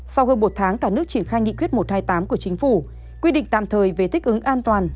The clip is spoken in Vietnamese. sau hơn một tháng cả nước triển khai nghị quyết một trăm hai mươi tám của chính phủ quy định tạm thời về thích ứng an toàn